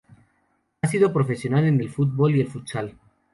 Ha sido profesional en el fútbol y el futsal.